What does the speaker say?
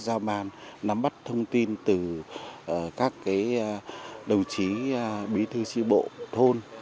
giáo ban nắm bắt thông tin từ các đồng chí bí thư sĩ bộ thôn